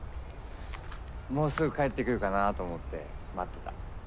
もうすぐ帰ってくるかなと思って待ってた。